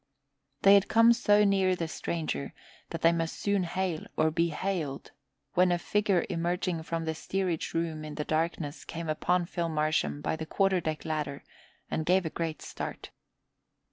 They had come so near the stranger that they must soon hail or be hailed, when a figure emerging from the steerage room in the darkness came upon Phil Marsham by the quarter deck ladder and gave a great start.